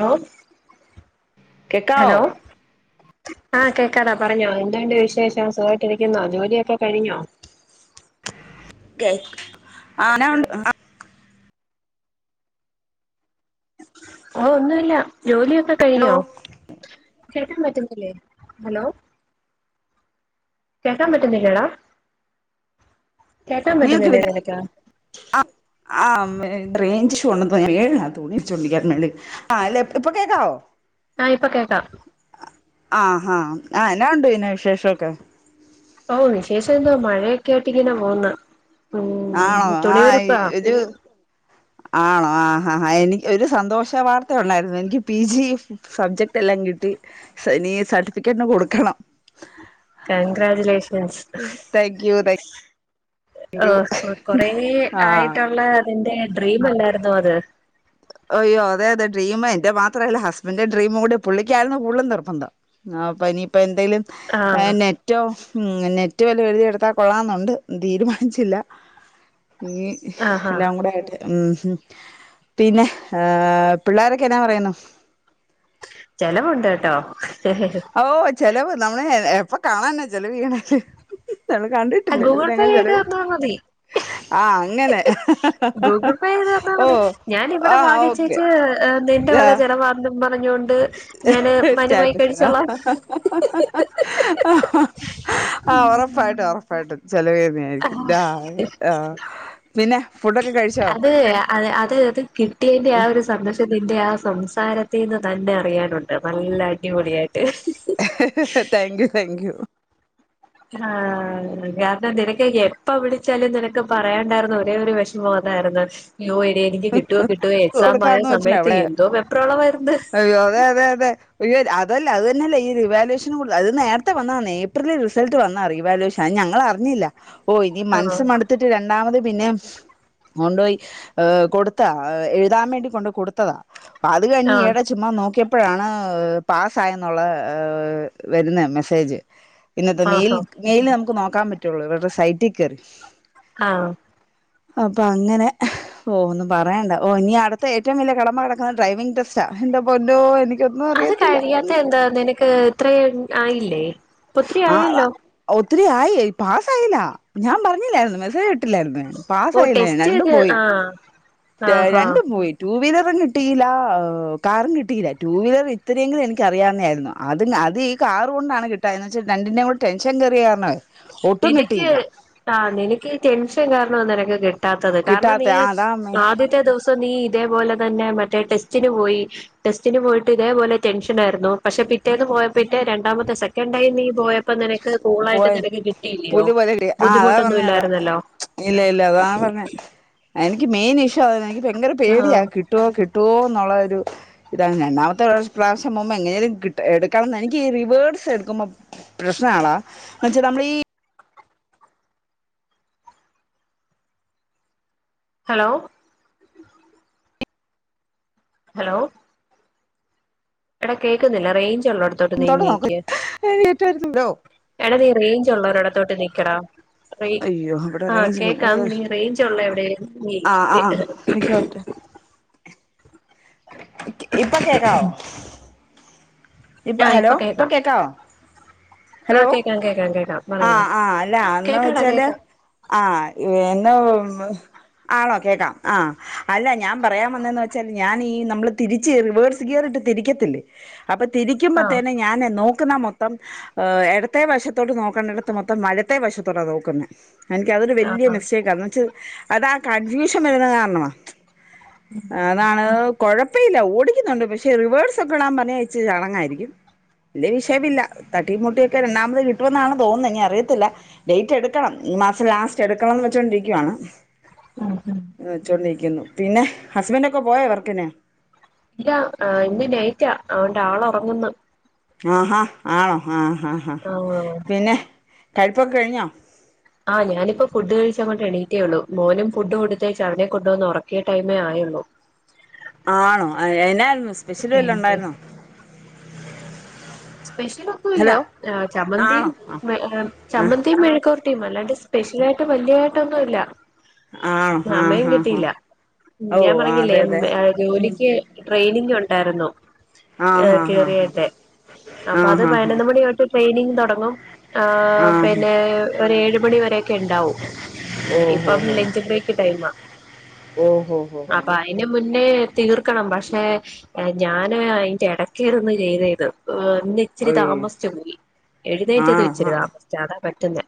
Hello കേക്കാവോ hello ആഹ് കേക്കാടാ പറഞ്ഞോ എന്താണ്ട് വിശേഷം സുഖമായിട്ടിരിക്കുന്നോ ജോലിയൊക്കെ കഴിഞ്ഞോ കെ [unintelligible] അന [unintelligible] ഓ ഒന്നുമല്ല ജോലിയൊക്കെ കഴിഞ്ഞോ കേൾക്കാൻ പറ്റുന്നില്ലേ ഹലോ കേക്കാൻ പറ്റുന്നില്ലേടാ കേക്കാൻ പറ്റുന്നില്ലേ നിനക്കേ ആഹ്‌ ആഹ് റേഞ്ച് യിഷുതോന്ന ഏ തുണി ചൊണ്ടിക്കാരല് [unintelligible] ആഹ അല്ല ഇപ്പൊ കേൾക്കാവോ ആഹ ഇപ്പൊ കേക്കാം ആഹ് ആ എന്നാ ഉണ്ടു പിന്നെ വിശേഷമൊക്കെ ഓ വിശേഷം എന്തോവാ മഴയൊക്കെയ ആയിട്ട് ഇങ്ങനെ പോകുന്ന ആണോ ആഹ ഒരു ആണോ ആഹാ ആ എനിക്ക് ഒരു സന്തോഷ വാർത്ത ഉണ്ടായിരുന്നു എനിക്ക് പി ജി സബ്ജക്ട് എല്ലാം കിട്ടി ഇനി സർട്ടിഫിക്കറ്റിന് കൊടുക്കണം congratulations thank you thank you കൊറ ആ ആയിട്ടുള്ള അതിന്റെ ഡ്രീം അല്ലാരുന്നോ അത് അയ്യോ അതെ അതെ ഡ്രീമ എന്റെ മാത്രല്ല ഹസ്ബൻന്റെ ഡ്രീം കൂടി പുള്ളിക്കായിരുന്നു കൂടുലും നിർബന്ധം ആ പാനിപ്പ എന്തെലും ആഹ് നെറ്റ റ്റോ ഉം നെറ്റ് വല്ലോം എഴുതിയ എടുത്താൽ കൊള്ളന്നണ്ട് തീരുമാനിച്ചില്ല ആഹാ എല്ലാം കൂടെ ആയിട്ട് ഉം പിന്നെ പിള്ളോരൊക്കെ എന്നാ പറയുന്നു ചെലവുണ്ട് കേട്ടോ ഓ ചെലവ് നമ്മള് എപ്പൊ കാണന്ന ചെിലവീ്യണല്ലേ നമ്മള് കണ്ട ഗൂഗിൾ പേ ചെയ്തു തന്നാൽ മതി ആ അങ്ങനെ [unintelligible] ഗൂഗിൾ പേ ചെയ്തന്നാ ഓ മതി ഞാൻ ഇവിടെ ആ വാങ്ങിച് ഓക്കെ ത്ച്‌ നിന്റെ ആ വക ചെലവാന്നും പറഞ്ഞോ ണ്ട് ഞാന് മനുമായി കഴിച്ചോള്ളാം സ്റ്റാറ്റസ് ആഹ് ഒറപ്പായിട്ടു ഒറപ്പായിട്ടു ചെലവൂ യ്യുന്നെ ആയിരിക്കും ആഹ്‌ ആഹ്‌ പിന്നെ? ഫുഡൊക്കെ കഴിച്ചോ അത് അ അത് അത് കിട്ടിയേന്റെ ആ ഒരു സന്തോഷം നിന്റെ ആ സംസാരത്തീന്ന് തന്നെ അറിയാനുണ്ട് നല്ല അടിപൊളിയായിട്ട് [unintelligible] താങ്ക് യു താങ്ക് യു. ആഹ കാര്ണം നിനക്ക് കെ എപ്പ വിളിച്ചാലും നിനക്ക് പറയണ്ടായ്ര്ന്ന ഒരേ ഒരു വെഷമം അതായിരുന്നു. യ്യോ എടി എനിക്ക് കിട്ടോ കിട്ടോ എക്സാം ആയ കൊടുക്കാന്ന് വെച്ചിട്ട അവിടെ സമയത്ത് എന്തോ പെപ്പ്രള വായിര്ന്ന്. അയ്യോ അതെ അതെ അതെ. യ്യോ അതല്ല അത് തന്നെല്ലെ ഈ റിവാലേഷൻ കൂടു അത് നേരത്തെ വന്നതാന്നെ ഏപ്രില് റിസൾട്ട് വന്നാ റിവാലയൂേഷൻ. അ ഞങ്ങൾ അറിഞ്ഞില്ല. ഓ ഇനി ആഹ് മനസ് മടുത്തിട്ട് രണ്ടാമത് പിന്നേം കൊണ്ടോയി ഏഹ് കൊടുത്താ എഴുതാ വേണ്ടി കൊണ്ട കൊടുത്തതാ അത് കഴിഞ് ആഹ് ഏടെ ചുമ്മാ നോക്കിയ ഇപ്പഴാണ് പാസ് ആായെന്നുള്ള വെര്ന്നെ മെസ്സേജ്. ഇന്നത്തെ മെയ്ൽ ആഹ് മെയില് നമുക്ക് നോക്കാ പറ്റുള്ളൂ വര്ടെ സൈറ്റി കേറി. ആഹ്. അപ്പ അങ്ങനെ പോകുന്നു. പറയേണ്ട ഓ ഇനി അടുത്ത ഏറ്റവും വലിയ കടമ്പ കടക്ന്ന ഡ്രൈവിംഗ് ടെസ്റ്റാ എന്റെ പൊന്നോ എനി അത് കഴിയാത്തെ എന്താ നിനക്ക് ഇത്രേ ആയില്ലേ? ഒത്തിരി ആഹ് ആയല്ലോ ഒത്തിരി ആയി പാസ്സായില്ല. ഞാൻ പറഞ്ഞില്ലായിരുന്നോ മെസ്സേജ് ട്ട്ല്ലായ്ര്ന്ന് ഓ പാസായില്ല ടെസ്റ്റ് രണ്ടും ചെയ്ത് പോയി ആഹ് ആഹാ രണ്ടും പോയി ടു വീലറും കിട്ടയില്ല ഏ കാറും കിട്ടിയില്ല ടു വീലർ ഇതിരിങ്കിലും എനിക്കറിയാവുന്നെ ആയിരുന്നു. അത് അത് ഈ കാറ് കൊണ്ടാണ് കിട്ടഞ്ഞെ ന്ന്ചാ രണ്ടിൻേയും കൂടെ ടെൻഷൻ കേറിയ കാര്ണെ നിനയ്ക്ക് ആ നിനയ്ക്കീ ടെൻഷൻ കാരണം നിനക്ക് കി ട്ടാത്തത് കാര്ണം കിട്ടാത്ത നീ അതാ ആദ്യത്തെ ദിവസം നീ ഇതേപോലെ തന്നെ മറ്റേ ടെസ്റ്റിന് പോയി ടെസ്റ്റിന് പോയിട്ട് ഇതേപോലെ ടെൻഷൻ ആയിരുന്നു പക്ഷെ പിറ്റേന്ന് പോയ പിറ്റേ രണ്ടാമത്തെ സെക്കൻടൈം നീ പോയ പ്പൊ നിനക്ക് കൂളായിട്ട് പോയ ങ്ങനെ കിട്ടിയില്ല്യോ പുല്ല് പോലെ കിട്ടിയ ആ അതാ ബുദ്ധിമുട്ടൊന്നും പറഞ്ഞ അതാ ഇല്ലായ്ര്ന്നല്ലോ? ഇല്ല ഇല്ല അതാ പറഞ്ഞ എനിക്ക് മെയിൻ ഇഷ്യു എനിക്ക് ഭയങ്കര പേടിയാ ആഹ് കിട്ടോ കിട്ടോ ന്നുള്ളരു- ഇതാണ് രണ്ടാമത്തെ പ്രാവശ്യം പോമ്പോ എങ്ങനെലും കിട്ട എടുക്കണംന്ന എനിക്ക് റിവേഴ്സ് എടുക്കുമ്പോ പ്രശ്ന ആളാ മറ്റെ നമ്മളീ ഹലോ? ഹലോ? എടാ കേക്കുന്നില്ല റേഞ്ച് ഉള്ളോത്തോട്ട് ത്തോട്ട് നോക്ക നീങ്ങിയ്ക്ക്. ല്ലോ എട നീ റേഞ്ച് ഉള്ള ഒരി ഇടത്തോട്ട് നിക്കടാ. അപ്പൊ ഈ അയ്യോ ഇവിടെ ആഹ കേക്കാം റേഞ്ച് നീ റേഞ്ച് ഒള്ള എവിടെലും. ആ ഇരിക്. ആ നിക്ക് പറ്റ ഇപ്പൊ കേക്കാവോ? ഇപ്പ ആഹ് ഹലോ? ഇപ്പൊ കേക്കാം കേകാവോ? ഹലോ ആഹ് കേക്കാം കേക്കാം കേക്കാം ആ പറഞ്ഞോ ആ അല്ല അന്നാ കേക്കാടാ വെച്ചാല്? കേക്കാം ആഹ് എന്നള്ളത്? ആണോ കേക്കാം ആ അല്ല ഞാൻ പറയാ വന്നെന്ന് വെച്ചാ ഞാൻ ഈ നമ്മള് തിരിച്ച് റിവേഴ്സ് ഗിയർ ട്ട് തിരിക്കത്തില്ലെ അപ്പൊ തിരിക്കുമ്പോ ആഹ് തന്നെ ഞാനെ നോ ക്ക്ന്ന മൊത്തം എടത്തെ വശത്തോട് നോക്കണ്ടിടത്ത് മൊത്തം വലത്തെ വശത്തോട്ടാ നോക്ക്ന്നെ. എനിക്ക് അതൊരു വെല്ല്യ ആഹ് ആഹ് മെസ്സേജ ന്നവെച്ച് അതാ കൺഫ്യൂഷൻ വരുന്നെ കാരണമാ. അതാണ് കൊഴപ്പഇില്ല ഓടിക്കുന്നുണ്ട്. പക്ഷെ റിവേഴ്സ് ഒക്കെ ടാൻ പർഞ്ഞ റ്റ് ചടങ്ങായിരിക്കും. ഇല്ലെ വിഷയമില്ല തട്ടി മുട്ടിക്കെ രണ്ടാമത് കിട്ടുന്നാണ് തോന്നുന്നെ നി അറിയത്തില്ല. ഡേറ്റ് എടുക്കണം ഈ മാസം ലാസ്റ്റ് എടുക്കണംന്ന് വെച്ചോണ്ടിരിക്കുവാണ്. ആഹ് വച്ചൊണ്ടിരിക്കുന്നു പിന്നെ ഹസ്ബൻഡറ് ഒക്കെ പോയ അവർക്കിന്. ഇല്ല ഇന്ന് നൈറ്റ് ആണ്ട് ആൾ ഉറങ്ങുന്നു. ആഹാ ആണോ ആ ഹാ ഹാ ഹാ ആഹ് പിന്നെ കഴുപ്പൊക്കെ കഴിഞ്ഞോ? ആഹ ഞാനിപ്പോ ഫുഡ് കഴിച്ച് ഇങ്ങോട്ട് എണീറ്റെ ഉള്ളൂ മോനും ഫുഡ് കൊടുത്തേച്ച് അവനെ കൊണ്ട് വന്നു ഉറക്കിടൈമേ ആയുള്ളൂ. ആണോ എനെ സ്പെഷ്യൽ വല്ലതും പിന്നെ ഉണ്ടായിരുന്നോ? സ്പെഷ്യൽ ഒന്നും ഇല്ല ഹലോ ചമ്മന്തിയും ആണോ ആഹ് ചമ്മന്തിയും മെഴുക്കു ട്ടിം അല്ലാണ്ട് സ്പെഷ്യലായിട്ട് വലിയതായിട്ടൊന്നും ഇല്ല ആണോ ആഹ് സമയം ആഹ് ആഹ് കിട്ടിയില്ല ഓ ഞാൻ പറഞ്ഞില്ലേ അതെ അതെ ജോലിക്ക് ട്രെയിനിങ് ഉണ്ടായിരുന്നു ആഹ് മ്മ് ആഹ് ആഹ് കേറിയതെ ആ അപ്പൊ അത് ഹ ഹ പതിനൊന്ന് മണി തൊട്ട് ട്രെയിനിങ്ങ് തുടങ്ങും ആ ആഹ് പിന്നെ ഒരു ഏഴ് മണി വരെക്കെ ഉണ്ടാവും ഓ ഇപ്പം ലഞ്ച് ബ്രേക്ക് ടൈമാ ഓഹ് ഓഹ് ഓഹ് അപ്പൊ അതിന് മുന്നേ തീർക്കണം പക്ഷേ ഞാന് അയി ന്റെ ഇടക്കിരുന്ന് ചെയ്ത് ഇത് ഓഹ് ഇന്ന് ഇച്ചിരി അയ്യോ താമസിച്ചു പോയി എഴുന്നേറ്റതും ഇച്ചിരി ആ താമസിച്ച് അതാ പറ്റുന്നെ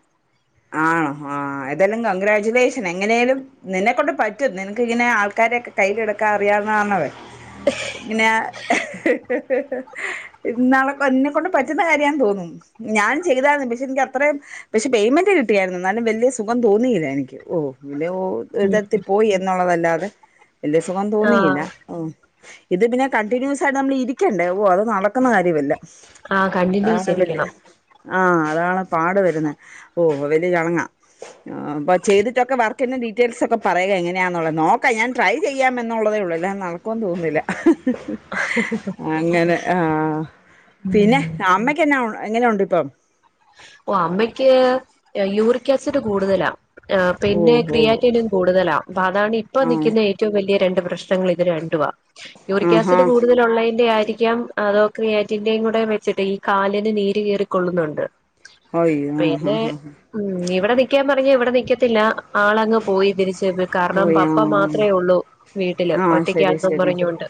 ആണോ ആഹ് ഏതായാലും കൺഗ്രാജുലേഷൻ എങ്ങനെയാലും നിന്നെക്കൊണ്ട് പറ്റും നിനക്ക് ഇങ്ങനെ ആൾക്കാരെക്കെ കയ്യിലെടുക്കാൻ അറിയാന്നണത് ഇങ്ങന ഇന്നാള് എന്നെക്കൊണ്ട് പറ്റുന്ന കാര്യം ആണ് തോന്നും ഞാൻ ചെയ്തന്ന് പക്ഷെ എനക്ക് അത്രയും പക്ഷെ പേയ്മെ ന്റ് കിട്ടിയായിരുന്നു എന്നാലും വലിയ സുഖം തോന്നിയില്ല എനിക്ക് ഓ ഒരു ഉം തരത്തി പോയി എന്നുള്ളതല്ലാതെ വല്ല്യ സുഖം തോന്നിയില്ല ആഹ് ഉം ഇത് പിന്നെ കണ്ടിന്യൂസ് ആയിട്ട് നമ്മൾ ഇരിക്കേണ്ടേ ഓഹ് അത് നടക്കുന്ന കാര്യമല്ല ആഹ് കണ്ടിന്യൂസ് അതാണ് വല്ല്യ ഇരിക്കണം ആഹ് അതാണ് പാട് വരുന്നെ ഓഹ് വലിയ ചടങ്ങാ ആഹ് അപ്പ ചെയ്തിട്ടക്കെ വർക്കിന്റെ ഡീറ്റെയിൽസ് ഒക്കെ പറയുക എങ്ങനെയാന്നുള്ളത് നോക്കാ ഞാൻ ട്രൈ ചെയ്യാം എന്നുള്ളതേ ഉള്ളൂ അല്ലാതെ നടക്കുമെന്ന് തോന്നുന്നില്ല അങ്ങനെ ആഹ് പിന്നെ ഉം അമ്മ യ്ക്ക് എന്ന എങ്ങനെ ഉണ്ട് ഇപ്പം ഓഹ് അമ്മയ്ക്ക് യൂറിക് ആസിഡ് കൂടുതലാ ആഹ് പിന്നെ ഓഹോ ക്രിയാറ്റെനും കൂടുതലാ അപ്പൊ അതാണ് ഇപ്പ ആഹ് നിൽക്കുന്ന ഏറ്റവും വലിയ രണ്ട് പ്രശ്നങ്ങൾ ഇത് രണ്ടുവാ യൂറിക് ആഹാ ആസിഡ് കൂടുതലുള്ളതിന്റെ ആയിരിക്കാം അതോ ക്രിയാറ്റിന്റെയും കൂടെ വെച്ചിട്ട് ഈ കാലിന് നീര് കേറിക്കൊള്ളുന്നുണ്ട് ആയ്യോ ആഹ് ആഹ് ആഹ് ഉം ഇവിടെ നിക്കാൻ പറഞ്ഞ ഇവിടെ നിക്കത്തില്ല ആളാങ്ങ് പോയി തിരിച്ച് കാരണം പോയി പപ്പ ആഹ് മാത്രമേ ഉള്ളൂ വീട്ടില് ആഹ് ശരി ഒറ്റക്കാന്നും ശരി പറഞ്ഞൊണ്ട്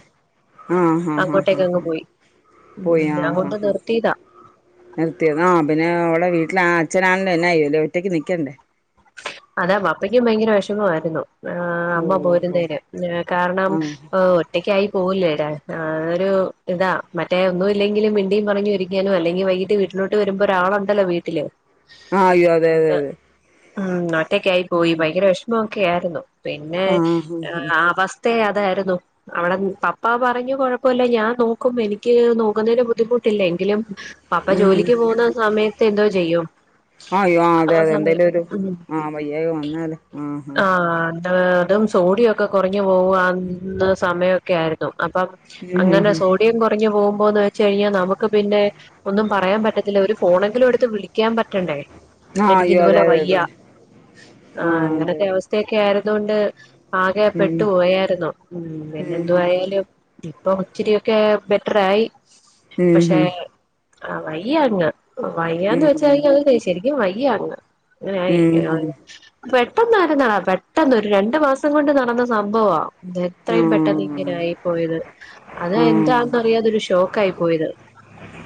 ആഹ് ആഹ് ആഹ് അങ്ങോട്ടേക്ക് അങ്ങ് ആഹ് പോയി ഉം പോയി ഞാൻ ആഹ് കൊണ്ട് ആഹ് നിർത്തിയതാ നിർത്തിയത് ആഹ് പിന്നെ അവടെ വീട്ടിൽ ആ അച്ഛനായൊണ്ട് എന്ന ചെയ്യാല് ഒറ്റയ്ക്ക് നിക്കണ്ടേ അതാ പപ്പയ്ക്കും ഭയങ്കര വിഷമായിരുന്നു ആഹ് അമ്മ പോരുന്നതിന് കാരണം ആ ഈഹ് ഒറ്റയ്ക്ക് ആയി പോകില്ലേടാ ആഹ് ഒരു ഇതാ മറ്റേ ഒന്നും ഇല്ലെങ്കിലും മിണ്ടിം പറഞ്ഞും ഇരിക്കാനോ അല്ലെങ്കിൽ വൈകിട്ട് വീ വീട്ടിലോട്ട് വരുമ്പോ ഒരാള്ണ്ടല്ലോ വീട്ടില് ആഹ് അയ്യോ അതെ അതെ അതെ ഉം ഒറ്റക്കായി പോയി ഭയങ്കര വിഷമൊക്കെ ആയിരുന്നു പിന്നെ ആ അവ സ്ഥേ അതായിരുന്നു അവിടെ പപ്പാ പറഞ്ഞു കൊഴപ്പം ഇല്ല ഞാൻ നോക്കും എനിക്ക് നോക്കുന്നതിന് ബുദ്ധിമുട്ടില്ല എങ്കിലും പപ്പ ഉം ജോലിക്ക് പോകുന്ന സമയത്ത് എന്തോ ചെയ്യും ആഹ് യ്യോ അതെ ആ അതെ സമയം എന്തേലും ഒരു ഉം ആഹ് വയ്യായ്ക വന്നാല് ആ ആ ആഹ് എന്താ അതും സോഡിയൊക്കെ കുറഞ്ഞു പോകന്ന് സമയൊക്കെ ആയിരുന്നു അപ്പം ഉം ഉം അങ്ങനെ സോഡിയം കുറഞ്ഞ് പോകുമ്പോന്ന് വെച്ച് കഴിഞ്ഞാൽ നമ്മക്ക് പിന്നെ ഒന്നും പറയാൻ പറ്റത്തില്ല ഒരു ഫോണെങ്കിലും എടുത്ത് വിളിക്കാൻ പറ്റണ്ടേ ഉം ആ എനിക്ക് അയ്യോ ഇത് അതെ പോലെ അതെ അതെ വയ്യ ആ ആഹ് അതെ അങ്ങനത്തെ അവസ്ഥയൊക്കെ ആയിരുന്നൊണ്ട് ആകെ ഉം പെട്ടു പോയായിരുന്നു ഉം പിന്നെ ഉം എന്തു ആയാലും ഇപ്പൊ ഒച്ചിരിയൊക്കെ ബെറ്ററായി ഉം ഉം പക്ഷെ ഉം ആഹ് വയ്യങ്ങ് വയ്യാന്ന് വെച്ച് ഉം കഴിഞ്ഞാ അങ്ങ് ശരിക്കും വയ്യങ്ങ് അങ്ങനെ ആയി ഉം ഉം പെട്ടെന്നായിരുന്നടാ പെട്ടെന്ന് ഒരു രണ്ട് മാസം കൊണ്ട് നടന്ന സംഭവാ എത്രയും പെട്ടെന്ന് ഉം ഇങ്ങനെയായി പോയത് അത് ആ ആ എന്താന്നറിയാതൊരു ഷോക്കായി പോയത്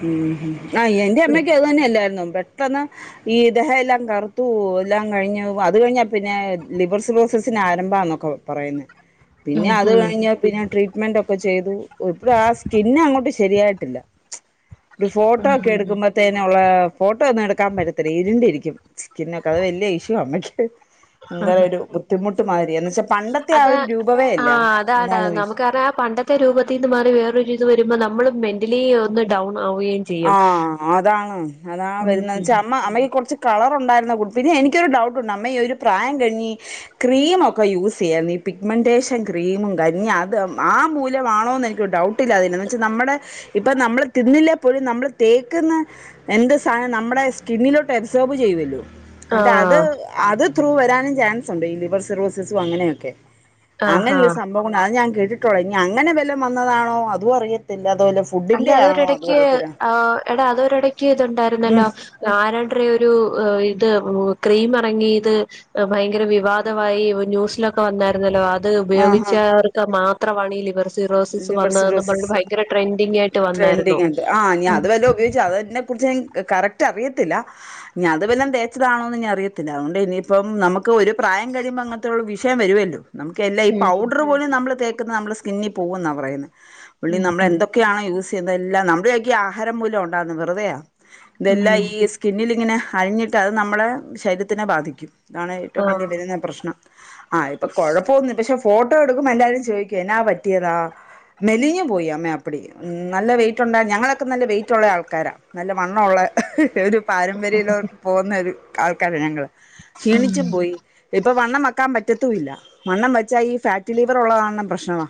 ഉം ആഹ് എന്റെ അമ്മക്ക് ഇത് തന്നെ അല്ലായിരുന്നൊ പെട്ടെന്ന് ഈ ദേഹ എല്ലാം കറത്തു പോവും എല്ലാം കഴിഞ്ഞു അത് കഴിഞ്ഞാൽ പിന്നെ ലിവർ സിറോസിസിന് ആരംഭാ ന്നോ പ്പോ പറയുന്നെ [inaudible] പിന്നെ അത് ഉം കഴിഞ്ഞ പിന്നെ ട്രീറ്റ്മെന്റ് ഒക്കെ ചെയ്തു ഇപ്പഴും ആഹ് സ്കിന്നങ്ങോട്ട് ശരിയായിട്ടില്ല. ഒരു ഫോട്ടോ ഒക്കെ ഉം എടുക്കുമ്പോത്തേനുള്ള ഫോട്ടോ ഒന്നും എടുക്കാൻ പറ്റത്തില്ല ഇരുണ്ടിരിക്കും. സ്കിന്നൊക്കെ അത് വലിയ ഇഷ്യുവാ അമ്മയ്ക്ക് ഭയങ്കര ഒരു ബുദ്ധിമുട്ട് മാതിരി എന്ന് വച്ചാ പണ്ടത്തെ ആഗ് ഒരു രൂപവേ അല്ല അതാണ് വിഷ് കാരണം ആഹ് പണ്ട റ്റൊരൂപത്തീന്ന് മാറി വേറൊരു ഇത് വരുമ്പോ നമ്മള് മെന്റലി ഒന്ന് ഡൗൺ ആവും എ ആഹ് അതാണ് അതാ വരുന്നേ ന്ന് ഉം വെച്ചാ അമ്മ അമ്മയ്ക്ക് കുറച്ച് കളറുണ്ടായിരുന്ന കൂ പിന്നെ എനിക്കൊരു ഡൗട്ടുണ്ട് അമ്മ ഈ ഒരു പ്രായം കഴിഞ്ഞ് ക്രീമൊക്കെ യൂസ് ചെയ്യായിരുന്നു ഈ പിഗ്മെന്റേഷൻ ക്രീമും കഞ്ഞി അത് ആഹ് മൂലമാണോന്ന് എനിക്കൊരു ഡൗട്ട് ട്ടില്ല അതെന്നാന്ന് വെച്ചാൽ നമ്മുടെ ഇപ്പ നമ്മള് തിന്നില്ലേ എപ്പോഴും നമ്മൾ തേക്കുന്ന എന്ത് സാനം നമ്മുടെ സ്കിന്നിലോട്ട് അബ്സോർബ് ചെയ്യുവല്ലോ? ന്നട്ട് അത് ആഹ് അത് ത്രൂ വരാനും ചാൻസുണ്ട് ഈ ലിവർ സിറോസിസും അങ്ങനെയൊക്കെ ആഹ് ഹാ അങ്ങനെയൊരു സംഭവം ഉണ്ട് അത് ഞാൻ കേട്ടിട്ടുള്ളാ ഇനി അങ്ങനെ വല്ലം വന്നതാണോ അതും അറിയത്തില്ല അതോല്ല അല്ല ഫുഡിന്റെ ആണോ അതൊരിടക്ക് അതുവറിയ ആഹ് എടാ അതൊരിടക്ക് ഇത്ണ്ടായിരുന്നല്ലോ ആരാണ്ട്ര് ഒരു ഇത് ക്രീം ഇറങ്ങി ഇത് ഏഹ് ഭയങ്കര വിവാദവായി ഓഹ് ന്യൂസിലൊക്കെ വന്നായിരുന്നല്ലോ ആത് അത് ആഹാ ഉപയോഗിച്ചവർക്ക് മാത്രവാണ് ഈ ലിവർ സിറോസിസ് ലിവർ വന്നതെന്ന് പറഞ്ഞ്ട്ട് സിറോസിസ് ഭയങ്കര ട്രെൻ്റിങ് ട്രെൻഡിങ് ഉണ്ട് ആഹ് ഞ്ഞി അത് വല്ലാം ഉപയോഗിച്ചതാ അതന്നെ കുറിച്ച് ൻ കറക്റ്റ് അറിയത്തില്ല. ഞ്ഞി അത് വല്ലതും തേച്ചതാണോന്ന്ഇനി അറിയത്തില്ല. അതുകൊണ്ട് ഇനിയിപ്പം നമുക്ക് ഒരു പ്രായം കഴിയുമ്പോ അങ്ങനത്തെയുള്ള വിഷയം വരുവല്ലോ? നമുക്ക് എല്ലാം ഈ ഉം പൗഡർ പോലും നമ്മള് തേക്കുന്ന നമ്മളെ സ്കിന്നി പോവും എന്നാ പറയുന്നെ പിഞ്ഞി ഉം നമ്മളന്തൊ ക്കെയാണോ യൂസ് ചെയ്യുന്നത് എല്ലാം നമ്മള് വിചാരിക്കും ഈ ആഹാരം മൂലം ഉണ്ടാവുന്നത് വെറുതെയാ ഉം ഇതെല്ലാം ഉം ഈ സ്കിന്നിലിങ്ങനെ അഴിഞ്ഞിട്ട് അത് നമ്മളെ ശരീരത്തിനെ ബാധിക്കും ഇതാണ് ഏറ്റവും വലിയ ആഹ് വരുന്ന പ്രശ്നം ആഹ് ഇപ്പൊ കൊഴപ്പന്നൂല്ല പക്ഷെ ഫോട്ടോ എടുക്കുമ്പോ എല്ലാരും ചോയ്ക്കും എന്നാ പറ്റിയതാ? മെലിഞ്ഞു പോയി അമ്മേ അപ്പടി നല്ല വെയിറ്റുണ്ട ഞങ്ങളൊക്കെ നല്ല വെയിറ്റ്ഉള്ള ആൾക്കാരാ നല്ല വണ്ണ ഉള്ളേ ഒരു പാരമ്പര്യള്ളവർക്ക് പോകുന്ന ഒരു ആൾക്കാരാ ഞങ്ങള് ക്ഷീണിച്ചും പോയി ഇപ്പൊ വണ്ണം വെക്കാൻ പറ്റത്തൂല്ല വണ്ണം വെച്ചാൽ ഈ ഫാറ്റി ലിവർ ഉള്ള കാരണം പ്രശ്നവാ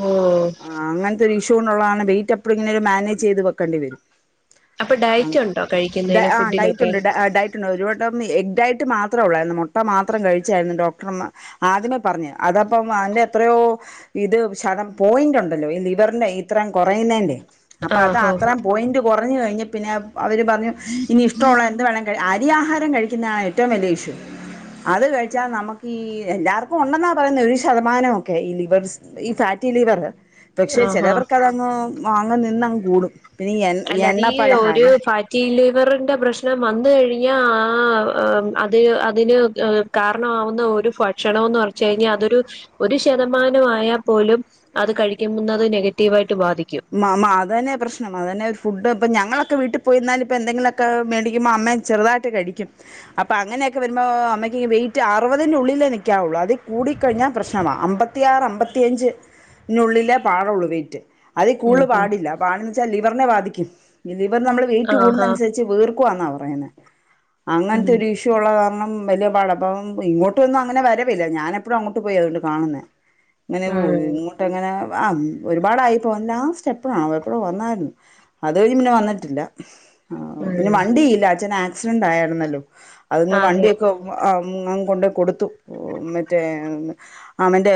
ഓഹ് ആഹ് അങ്ങനത്തൊരു ഇഷ്യൂ കൊണ്ടുള്ളതാണ് വെയിറ്റ് എപ്പഴും ഇങ്ങനെ ഒരു മാനേജ് ചെയ്ത് വെക്കേണ്ടി വരും അപ്പൊ ആഹ് ഡയറ്റ് ഉണ്ടോ കഴിക്കുന്നതിന് ഡൈറ്റ് ഫുഡിനൊക്കെ ഉണ്ട് ആഹ് ഡൈ ഒരു വട്ടം എഗ്ഡായിട്ട് മാത്രേ ഉള്ളായിരുന്ന് മുട്ട മാത്രം കഴിച്ചായിരുന്നു ഡോക്ടർമാ ആദ്യമേ പറഞ്ഞു അതപ്പം അതിന്റെ എത്രയോ ഇത് ശതം പോയിന്റ് ഉണ്ടല്ലോ ഈ ലിവറിന്റെ ഇത്രേം കുറയുന്നതിന്റെ അപ്പൊ അത് ആഹാ അത്ര പോയിന്റ് കുറഞ്ഞ് കഴിഞ്ഞ് പിന്നെ അവർ പറഞ്ഞു ഇനി ഇഷ്ടമുള്ളത് എന്ത് വേണ അരിയാഹാരം കഴിക്കുന്നതാണ് ഏറ്റവും വല്യേ ഇശ്യൂ അത് കഴിച്ചാ നമുക്ക് ഈ എല്ലാർക്കും ഉണ്ടെന്നാ പറയുന്നത് ഒരു ശതമാനംഒക്കെ ഈ ലിവർസ് ഈ ഫാറ്റി ലിവർ പക്ഷെ ആഹാ ചിലവർക്ക് അത്ങ്ങ് വാങ്ങ നിന്നങ്ങ് കൂടും പിന്നെ ഈ എ അല്ല അതീ എണ്ണ ഒരു പലഹാരം ഫാ റ്റീ ലിവറിന്റെ പ്രശ്നം വന്ന് കഴിഞ്ഞാ ആഹ് അത് അതിന് കാരണമാവുന്ന ഒരു ഭക്ഷണോന്ന് പറച്ച് കഴിഞ്ഞാ അതൊരു ഒരു ശതമാനം ആയാ പോലും അത് കഴിക്കുന്നത് നെഗറ്റീവ് ആയിട്ട് ബാധിക്കും മാ അതന്നെ പ്രശ്നം അത് ന്നെ ഫുഡ് ഇപ്പൾ ഞങ്ങളൊക്കെ വീട്ടിൽ പോയിന്നാൽ ഇപ്പോ എന്തങ്കിലൊക്കെ മേടിക്കുമ്പോൾ അമ്മയും ചെറുതായിട്ട് കഴിക്കും അപ്പൊ അങ്ങനെയൊക്കെ വരുമ്പോ അമ്മക്ക് വെയിറ്റ് അറുപതിന്റെ ഉള്ളിലേ നിൽക്കാവുള്ള അതീ കൂടി കഴിഞ്ഞാൽ പ്രശ്നമാ അമ്പ ത്തിയാറ് അമ്പത്തിയഞ്ച് നുള്ളിലെ പാടുള്ളു വേറ്റ് അതീ ഉം കൂടുതൽ ഉം പാടില്ല. പാടന്ന് വെച്ചാൽ ലിവറിനെ ബാധിക്കും. ലിവർ നമ്മള് വെയിറ്റ് ആഹാ കൂടുന്നതനുസരിച്ച് വീർക്കുവാണവടെ ഉം അങ്ങനത്തെരു ഇഷ്യൂ ട്ടിള്ള കാരണം വലിയ പാട. ഇപ്പം ഇങ്ങോട്ടൊന്നും അങ്ങനെ വരവില്ല ഞാനപ്പോഴും അങ്ങോട്ട് പോയി അതുകൊണ്ട് കാണുന്ന [inaudible] അങ്ങനെ ഓ ഉം ഇങ്ങോട്ടങ്ങനെ ആഹ് ഒരുപാടായി ലാസ്റ്റ് എപ്പഴാണോ എപ്പഴോ വന്നായിരുന്നു അത്കഴിഞ്ഞ്പിന്നെ വന്നിട്ടില്ല. ആഹ് പിന്നെ ഉം വണ്ടി ഇല്ല അച്ഛൻ ആക്സിഡന്റ് ആയിരുന്നല്ലോ അത അതെ വണ്ടിയൊക്കെ ആഹ് കൊണ്ട് കൊടുത്തു മറ്റേ- അവൻ്റെ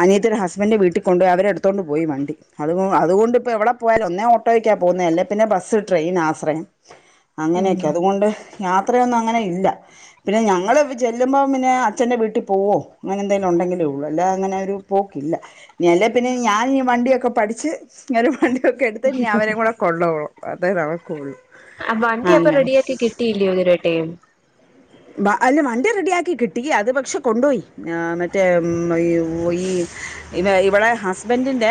അനിയത്തിടെ ഹസ്ബൻ്റെ വീട്ടിൽ കൊണ്ടോയി അവരെ എടുത്തോണ്ട് പോയി വണ്ടി- അത് അതുകൊണ്ട് ഇപ്പോ എവിടെ പോയാലും ഒന്നേ ഓട്ടോയ്ക്കാ പോകുന്ന അല്ലേ പിന്നെ ബസ് ട്രെയിൻ ആശ്രയം. ഉം അങ്ങനെയൊക്കെ അതുകൊണ്ട് യാത്രയൊന്നും അങ്ങനെ ഇല്ല- പിന്നെ ഞങ്ങൾ ചെല്ലുമ്പം പിന്നെ അച്ഛൻ്റെ വീട്ടിൽ പോകും. അങ്ങനെ എന്തേങ്കിലും ഉണ്ടെങ്കിലേ ഉള്ളൂ അല്ലാ അങ്ങനെ ഒരു പോക്കില്ല. എല്ലെ പിന്നെ ഞാൻ ഈ വണ്ടിയൊക്കെ പഠിച്ച് ഇങ്ങനെ വണ്ടിയൊക്കെ എടുത്ത് നീ അവരെ കൂടെ കൊണ്ടോവണം അതെ നടക്കു ഉള്ളൂ- ആഹ് വണ്ടി അപ്പൊ റെഡിയാക്കി കിട്ടിയില്ലേ ഇതരെയിട്ട്? അല്ല വണ്ടി റെഡിയാക്കി കിട്ടി അത് പക്ഷെ കൊണ്ടുപോയി മറ്റേഈ ഈ ഇ ഇവടെ ഹസ്ബൻഡിന്റെ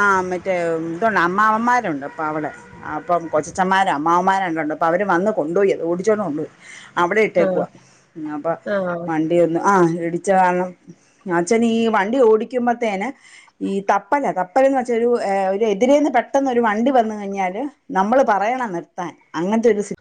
ആഹ് മറ്റേ ഇതുണ്ട് അമ്മാവന്മാരുണ്ട് അപ്പ അവിടെ അപ്പം കൊച്ചച്ചന്മാരും അ്മ്മാവൻമാര ണ്ടണ്ട് അപ്പൊ അവര് വന്ന് കൊണ്ടുപോയി അത് ഓടിച്ചോണം കൊണ്ടോയി അവിടെ ഇട്ടേക്കുവാ ആഹ് അപ്പൊ ആഹ് വണ്ടിയൊന്ന് ആഹ് ഇടിച്ച കാരണം അച്ചന് ഈ വണ്ടി ഓടിക്കുമ്പോത്തേൻ- ഈ തപ്പല തപ്പലന്ന് വെച്ചാ ഒരു ഒരു എതിരെന്ന് പെട്ടെന്ന് ഒരു വണ്ടി വന്ന് കഴിഞ്ഞാല് നമ്മള് പറയണം നിർത്താൻ അങ്ങനത്തെ ഒരു സി